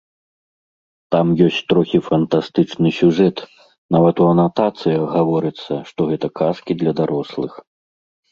Там ёсць трохі фантастычны сюжэт, нават у анатацыях гаворыцца, што гэта казкі для дарослых.